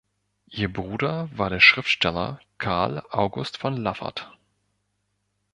Ihr Bruder war der Schriftsteller "Karl August von Laffert".